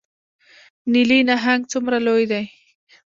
نیلي نهنګ څومره لوی دی؟